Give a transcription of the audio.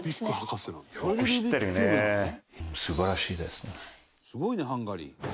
「すごいねハンガリー」